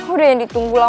udah yang ditunggu lama bu